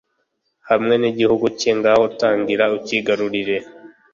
hamwe n’igihugu cye; ngaho tangira ucyigarurire.